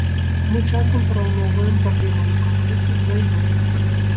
Мы часам параўноўваем праблемы ў эканоміцы з вайной.